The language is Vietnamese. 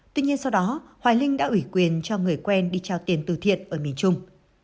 tuy nhiên sau đó hoài linh đã ủy quyền cho người quen đi trao tiền từ thiện ở miền trung